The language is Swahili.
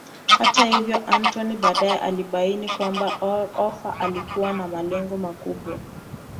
Hata hivyo Anthony baadae alibaini kwamba Oprah alikuwa na malengo makubwa